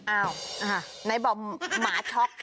อ้าวไหนบอมหมาช็อก